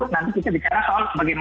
nanti kita bicara soal bagaimana